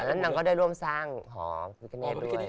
นางก็ได้ร่วมสร้างหอพระพิกาเนสด้วย